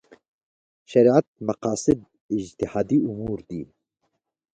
شریعت مقاصد اجتهادي امور دي.